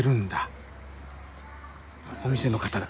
お店の方だ。